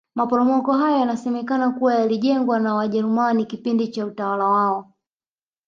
maporomoko hayo yanasenekana kuwa yalijengwa na wajerumani kipindi cha utawala wao